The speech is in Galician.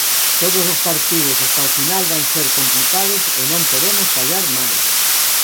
"Todos os partidos ata o final van ser complicados e non podemos fallar máis.